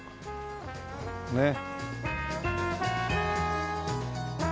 ねっ。